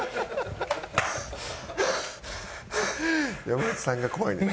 山内さんが怖いねんな。